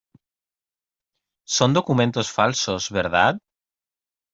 son documentos falsos, ¿ verdad?